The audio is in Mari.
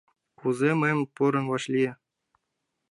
Кузе мыйым порын вашлие...